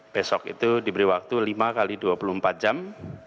besok itu diberi waktu lima x dua puluh empat jam